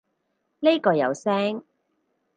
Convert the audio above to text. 呢個有聲